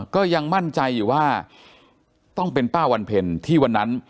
ก็ยังมั่นใจอยู่ว่าต้องเป็นป้าวันเพ็ญที่วันนั้น